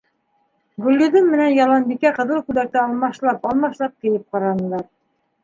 Гөлйөҙөм менән Яланбикә ҡыҙыл күлдәкте алмашлап-алмашлап кейеп ҡаранылар.